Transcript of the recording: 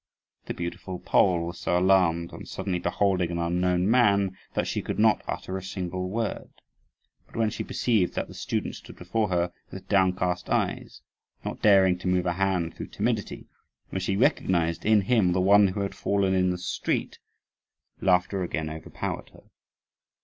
The beautiful Pole was so alarmed on suddenly beholding an unknown man that she could not utter a single word; but when she perceived that the student stood before her with downcast eyes, not daring to move a hand through timidity, when she recognised in him the one who had fallen in the street, laughter again overpowered her.